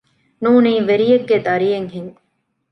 ނޫނީ ވެރިޔެއްގެ ދަރިއެއް ހެން